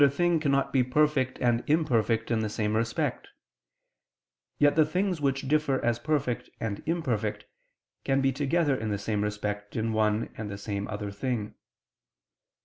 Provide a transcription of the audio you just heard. Now it is evident that a thing cannot be perfect and imperfect in the same respect; yet the things which differ as perfect and imperfect can be together in the same respect in one and the same other thing.